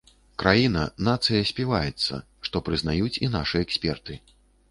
Краіна, нацыя співаецца, што прызнаюць і нашы эксперты.